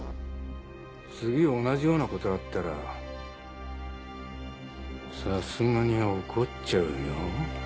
次同じようなことあったらさすがに怒っちゃうよ。